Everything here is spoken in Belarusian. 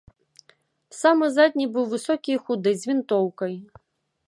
Самы задні быў высокі і худы, з вінтоўкай.